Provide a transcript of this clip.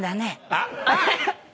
あっ！